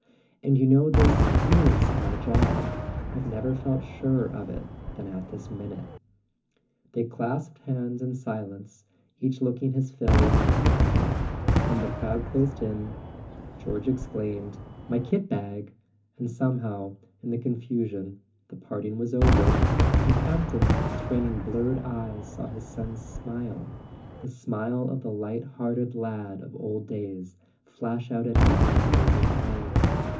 And you know this is my job; I've never been surer of it than at this minute." They clasped hands in silence, each looking his fill of the other; then the crowd closed in, George ex¬ claimed: "My kit bag!" and somehow, in the con¬ fusion, the parting was over, and Campton, straining blurred eyes, saw his son's smile—the smile of the light hearted lad of old days—flash out at him from the moving train.